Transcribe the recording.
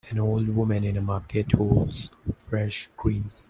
An old woman in a market holds fresh greens.